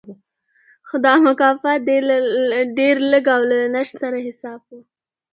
خو دا مکافات ډېر لږ او له نشت سره حساب و